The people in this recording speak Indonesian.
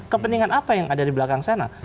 kepentingan apa yang ada di belakang sana